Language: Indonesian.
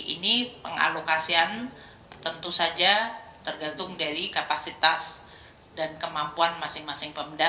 ini pengalokasian tentu saja tergantung dari kapasitas dan kemampuan masing masing pemda